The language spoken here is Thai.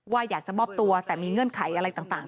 อยากจะมอบตัวแต่มีเงื่อนไขอะไรต่าง